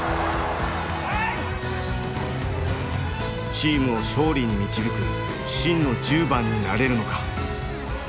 チームを勝利に導く真の１０番になれるのか。